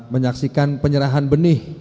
menyaksikan penyerahan benih